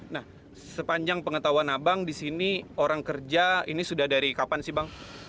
nah sepanjang pengetahuan abang di sini orang kerja ini sudah dari kapan sih bang